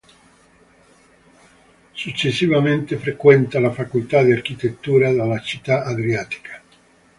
Successivamente frequenta la Facoltà di Architettura della città adriatica.